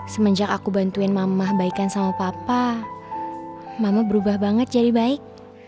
semenjak aku bantuin mama baikan sama papa mama berubah banget jadi baik